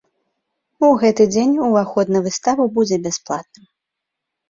У гэты дзень ўваход на выставу будзе бясплатным.